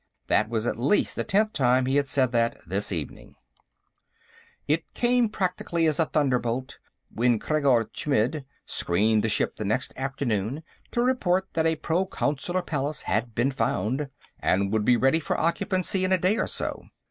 That was at least the tenth time he had said that, this evening. It came practically as a thunderbolt when Khreggor Chmidd screened the ship the next afternoon to report that a Proconsular Palace had been found, and would be ready for occupancy in a day or so.